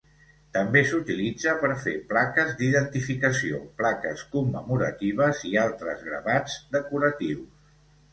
També s'utilitza per fer plaques d'identificació, plaques commemoratives i altres gravats decoratius.